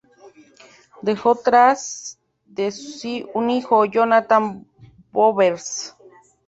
Dejó tras de si un hijo, Jonathan Bowers.